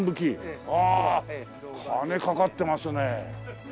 ああ金かかってますね。